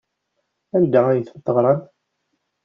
Anda ay ten-teɣram?